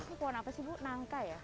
ini pohon apa sih bu nangka ya